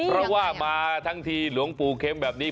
เพราะว่ามาทั้งทีหลวงปู่เข็มแบบนี้